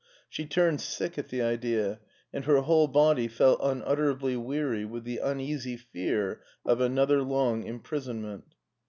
She turned sick at the idea, and her whole body felt unutterably weary with the uneasy fear of another long imprison ment.